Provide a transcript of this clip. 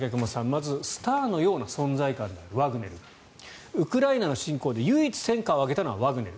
まずスターのような存在感であるワグネルウクライナの侵攻で唯一戦果を上げたのがワグネル。